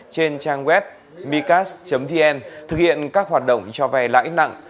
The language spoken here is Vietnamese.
trên trang web micas vn thực hiện các hoạt động cho ve lãnh nặng